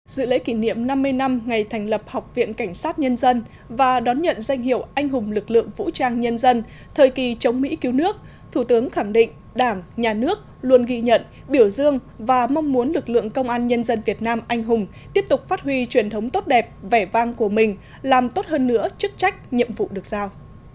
dự lễ kỷ niệm năm mươi năm ngày thành lập học viện cảnh sát nhân dân và đón nhận danh hiệu anh hùng lực lượng vũ trang nhân dân thời kỳ chống mỹ cứu nước thủ tướng khẳng định đảng nhà nước luôn ghi nhận biểu dương và mong muốn lực lượng công an nhân dân việt nam anh hùng tiếp tục phát huy truyền thống tốt đẹp vẻ vang của mình làm tốt hơn nữa chức trách nhiệm vụ được sao